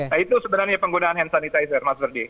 nah itu sebenarnya penggunaan hand sanitizer mas ferdi